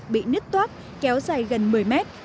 bị nứt toát kéo dài gần một mươi mét